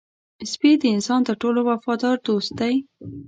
سپي د انسان تر ټولو وفادار دوست دی.